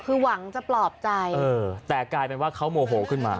คือหวังจะปลอบใจเออแต่กลายเป็นว่าเขาโมโหขึ้นมา